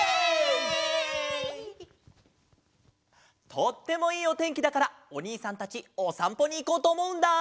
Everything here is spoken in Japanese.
とってもいいおてんきだからおにいさんたちおさんぽにいこうとおもうんだ。